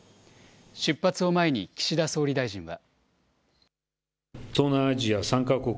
出発を前に岸田総理大臣は。